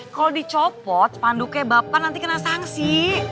kalo dicopot panduknya bapak nanti kena sangsi